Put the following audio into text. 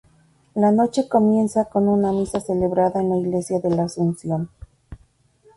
La noche comienza con una Misa celebrada en la iglesia de la Asunción.